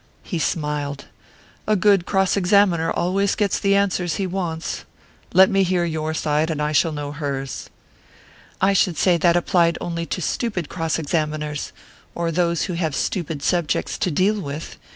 He smiled. "A good cross examiner always gets the answers he wants. Let me hear your side, and I shall know hers." "I should say that applied only to stupid cross examiners; or to those who have stupid subjects to deal with.